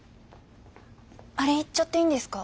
あれ言っちゃっていいんですか？